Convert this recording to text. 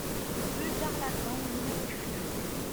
Rue d'Arlatan au numéro six